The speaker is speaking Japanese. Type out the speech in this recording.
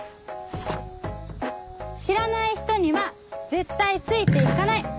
知らない人には絶対ついて行かない。